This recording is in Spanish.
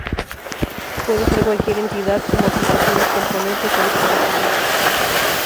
Puede ser cualquier entidad, como aplicaciones, componentes o dispositivos.